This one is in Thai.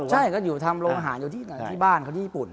ใช่ก็อยู่ทำโรงอาหารอยู่ที่บ้านเขาที่ญี่ปุ่น